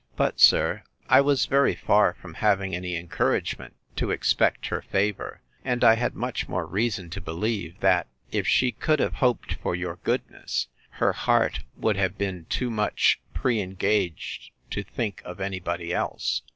But, sir, I was very far from having any encouragement to expect her favour; and I had much more reason to believe, that, if she could have hoped for your goodness, her heart would have been too much pre engaged to think of any body else.